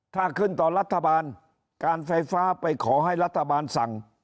ถ้าขึ้นต่อรัฐบาลการไฟฟ้าไปขอให้รัฐบาลสั่ง